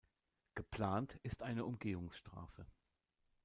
Geplant ist eine Umgehungsstraße.